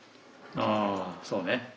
あそうね。